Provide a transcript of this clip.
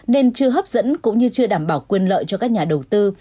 nên chưa hấp dẫn cũng như chưa đảm bảo quyền lợi cho các nhà đầu tư